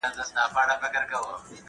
ورزش د ټولنې د سوله يیز ژوند برخه ده.